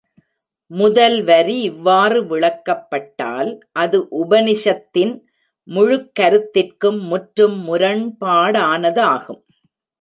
முதல் வரி இவ்வாறு விளக்கப்பட்டால் அது உபநிஷத்தின் முழுக் கருத்திற்கும் முற்றும் முரண்பாடானதாகும்.